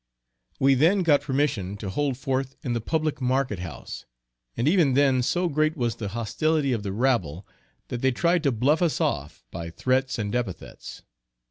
We then got permission to hold forth in the public market house, and even then so great was the hostility of the rabble, that they tried to bluff us off, by threats and epithets.